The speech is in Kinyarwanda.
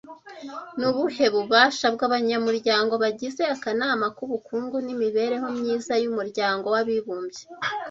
Ni ubuhe bubasha bw'abanyamuryango bagize akanama k'ubukungu n'imibereho myiza y'umuryango w'abibumbye